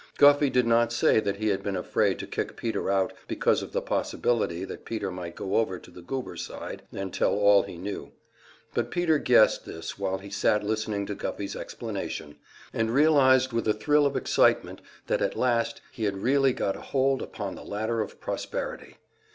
Guffey did not say that he had been afraid to kick Peter out because of the possibility that Peter might go over to the Goober side and tell all he knew; but Peter guessed this while he sat listening to Guffey's explanation, and realized with a thrill of excitement that at last he had really got a hold upon the ladder of prosperity.